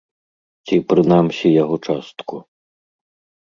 Ці, прынамсі, яго частку.